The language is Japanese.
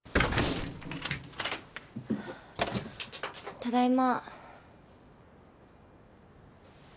ただいま。